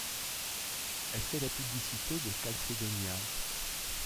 Elle fait la publicité de Calzedonia.